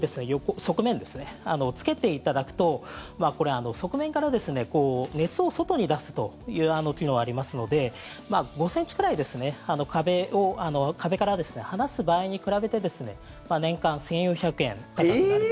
側面つけていただくと側面から熱を外に出すという機能がありますので５ｃｍくらい壁から離す場合に比べてですね年間１４００円高くなると。